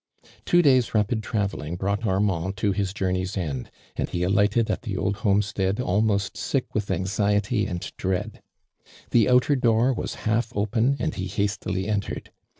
44 >RMAND DURAND. Two days' rapid travelling brought Ar mand to his journey's end, and he alighted at the old homestead, almost sick with anx iety and dread. The outer door was half open and he hastily entered.